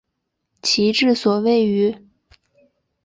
其治所位于。